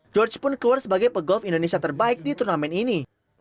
george pun keluar sebagai pegolf indonesia terbaik di turnamen ini